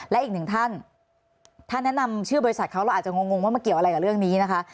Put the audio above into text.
และอีกหนึ่งท่านถ้าแนะนำชื่อบริษัทเขาเราอาจจะงงว่ามาเกี่ยวอะไรกับเรื่องนี้นะคะ